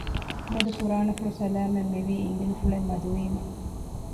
މިއަދު ފުރާނަފުޅު ސަލާމަތް މިވީ އިނގިލިފުޅެއް މަދު ވީމަ